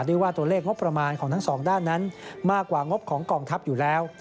ได้ว่าตัวเลขงบประมาณของทั้งสองด้านนั้นมากกว่างบของกองทัพอยู่แล้ว